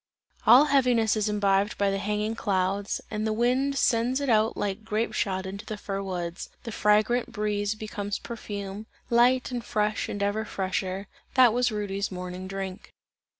All heaviness is imbibed by the hanging clouds, and the wind sends it out like grape shot into the fir woods; the fragrant breeze becomes perfume, light and fresh and ever fresher that was Rudy's morning drink.